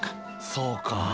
そうか。